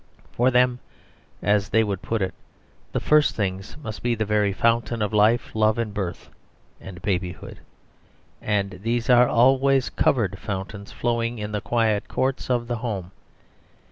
For them, as they would put it, the first things must be the very fountains of life, love and birth and babyhood; and these are always covered fountains, flowing in the quiet courts of the home.